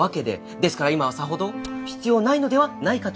ですから今はさほど必要ないのではないかと。